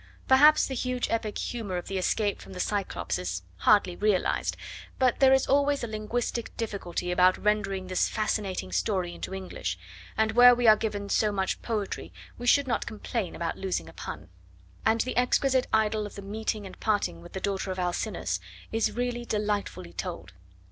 Perhaps the huge epic humour of the escape from the Cyclops is hardly realised, but there is always a linguistic difficulty about rendering this fascinating story into English, and where we are given so much poetry we should not complain about losing a pun; and the exquisite idyll of the meeting and parting with the daughter of Alcinous is really delightfully told.